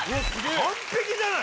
完璧じゃない！